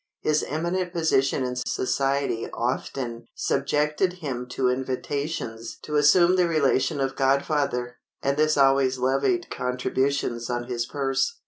His eminent position in society often subjected him to invitations to assume the relation of godfather, and this always levied contributions on his purse.